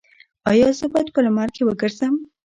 ایا زه باید په لمر کې وګرځم؟